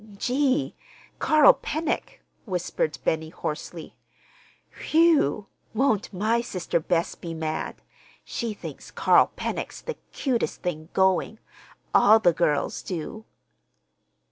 "Gee! Carl Pennock!" whispered Benny hoarsely. "Whew! Won't my sister Bess be mad? She thinks Carl Pennock's the cutest thing going. All the girls do!"